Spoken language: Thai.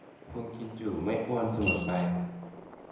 คนกินจุไม่อ้วนเสมอไป